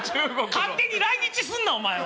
勝手に来日すんなお前は。